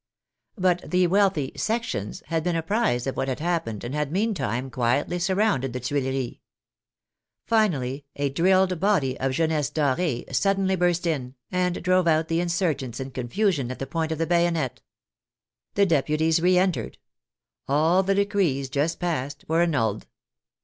But the wealthy " sections " had been apprised of what had happened and had meantime quietly surrounded the Tuileries. Finally, a drilled body of Jeunesse doree sud denly burst in, and drove out the insurgents in confusion THE REACTION PROGRESSES loi at the point of the bayonet. The deputies reentered. All the decrees just passed were annulled.